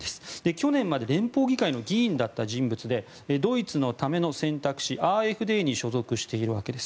去年まで連邦議会の議員だった人物でドイツのための選択肢・ＡｆＤに所属しているわけです。